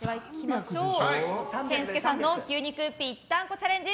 健介さんの牛肉ぴったんこチャレンジ